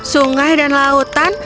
sungai dan lautan